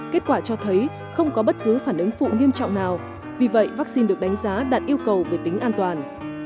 kết quả cho thấy không có bất cứ phản ứng phụ nghiêm trọng nào vì vậy vaccine được đánh giá đạt yêu cầu về tính an toàn